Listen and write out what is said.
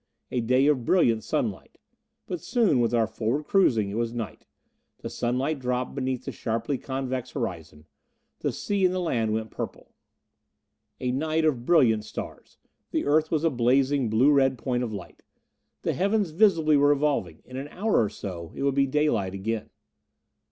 A day of brilliant sunlight. But soon, with our forward cruising, it was night. The sunlight dropped beneath the sharply convex horizon; the sea and the land went purple. A night of brilliant stars; the Earth was a blazing blue red point of light. The heavens visibly were revolving; in an hour or so it would be daylight again.